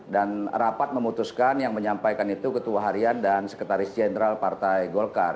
dan rapat memutuskan yang menyampaikan itu ketua harian dan sekretaris jenderal partai golkar